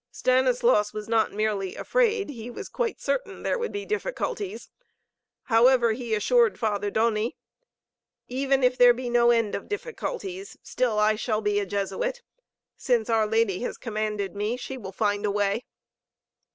Stanislaus was not merely afraid, he was quite certain, there would be difficulties. However, he assured Father Doni: "Even if there be no end of difficulties, still I shall be a Jesuit. Since our Lady has commanded me, she will find a way."